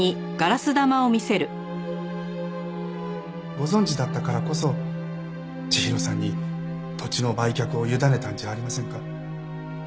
ご存じだったからこそ千尋さんに土地の売却を委ねたんじゃありませんか？